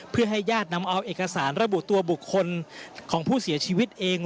เพื่อให้ญาตินำเอาเอกสารระบุตัวบุคคลของผู้เสียชีวิตเอง